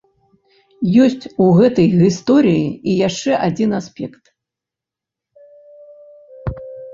Ёсць у гэтай гісторыі і яшчэ адзін аспект.